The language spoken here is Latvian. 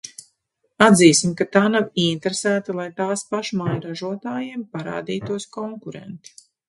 Atzīsim, ka tā nav ieinteresēta, lai tās pašmāju ražotājiem parādītos konkurenti.